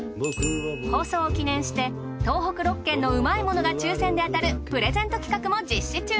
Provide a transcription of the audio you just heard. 放送を記念して東北６県のうまいものが抽選で当たるプレゼント企画も実施中！